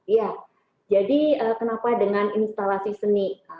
ya jadi kenapa dengan instalasi seni